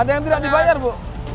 ada yang tidak dibayar bu